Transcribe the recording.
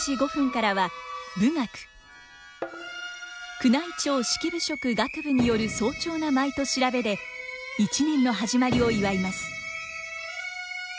宮内庁式部職楽部による荘重な舞と調べで一年の始まりを祝います。